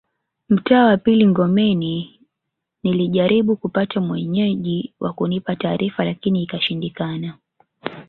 Mtaa wa pili Ngomeni nilijaribu kupata Mwenyeji wa kunipa taarifa lakini ikashindikana